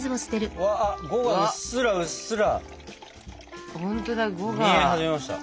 呉がうっすらうっすら見え始めました。